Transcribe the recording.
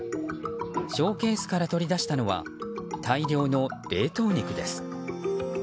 ショーケースから取り出したのは大量の冷凍肉です。